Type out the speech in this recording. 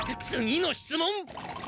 次の質問。